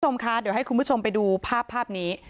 คุณผู้ชมคะเดี๋ยวให้คุณผู้ชมไปดูภาพนี้